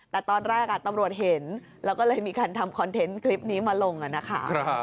แต่ตอนตอนอนธรรมบรเห็นแล้วเขาก็มีครับทำคอนเท้นท์คลิปนี้มาลงอะนะค่ะ